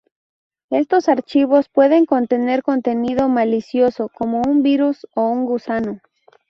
Estos archivos pueden contener contenido malicioso, como un virus o un gusano.